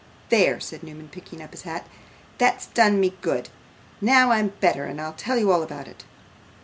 'There,' said Newman, picking up his hat; 'that's done me good. Now I'm better, and I'll tell you all about it.